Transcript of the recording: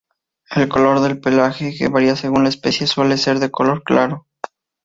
El color del pelaje, que varía según la especie, suele ser de color claro.